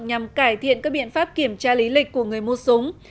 nhằm cải thiện các biện pháp kiểm tra lý lịch của người mua súng